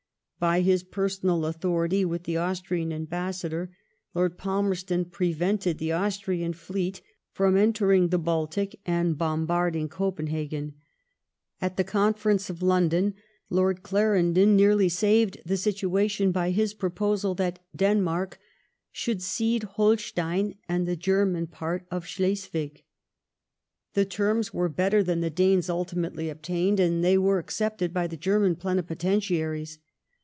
By his personal authority with the Austrian ambassador. Lord Palmerston prevented the Austrian fleet from entering the Baltic and bombarding Copenhagen. At the Conference of London, Lord Clarendon nearly saved the situation by his proposal that Denmark should cede Holstein and the German part of Scbleswig. The terms were better than the Danes ultimately obtained, and they were accepted by the German plenipotentiaries.